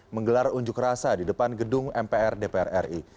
menggelar unjuk rasa di depan gedung mpr dprri